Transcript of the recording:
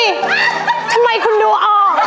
ทำไมคุณดูออก